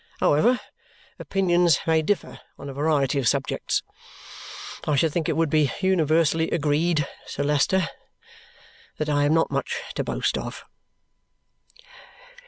However opinions may differ on a variety of subjects, I should think it would be universally agreed, Sir Leicester, that I am not much to boast of."